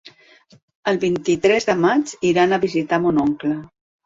El vint-i-tres de maig iran a visitar mon oncle.